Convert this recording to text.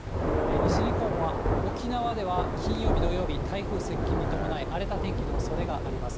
西日本は沖縄では金曜日、土曜日、台風接近に伴い、荒れた天気のおそれがあります。